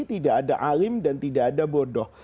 tidak ada alim dan tidak ada bodoh